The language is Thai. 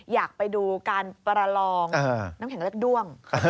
อยากไปดูการประลองน้ำแข็งเล็กด้วง